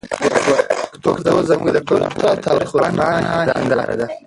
پښتو زموږ د کلتور او تاریخ روښانه هنداره ده.